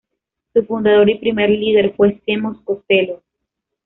Su fundador y primer líder fue Seamus Costello.